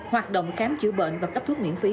hoạt động khám chữa bệnh và cấp thuốc miễn phí